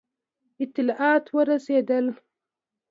اطلاعات ورسېدل.